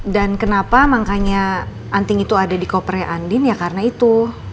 dan kenapa makanya anting itu ada di kopernya andin ya karena itu